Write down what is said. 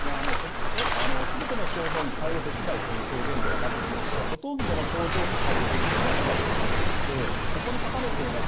全ての症状に対応できないという表現ではなくてほとんどの症状に対応できていないのが現状でしてここに書かれていない